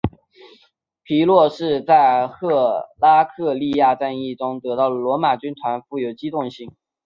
皮洛士在赫拉克利亚战役中了解到罗马军团富有机动性。